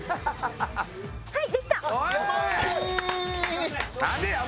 はいできた！